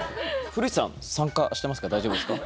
古市さん、参加してますか？